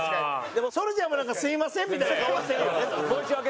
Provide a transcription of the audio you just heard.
でもソルジャーもなんかすみませんみたいな顔はしてるよね。